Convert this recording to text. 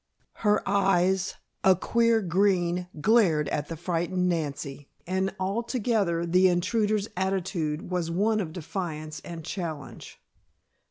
Her eyes, a queer green, glared at the frightened Nancy, and altogether the intruder's attitude was one of defiance and challenge.